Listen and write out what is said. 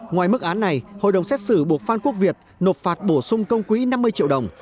ngoài mức án này hội đồng xét xử buộc phan quốc việt nộp phạt bổ sung công quỹ năm mươi triệu đồng